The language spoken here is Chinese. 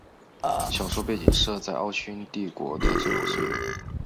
小说背景设在奥匈帝国的最后岁月。